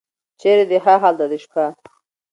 چېرې دې ښه هلته دې شپه.